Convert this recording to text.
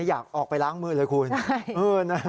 อยากออกไปล้างมือเลยคุณ